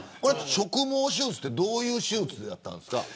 植毛手術ってどういう手術だったんですか。